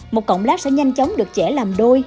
một cọng lát sẽ nhanh chóng được trẻ làm đôi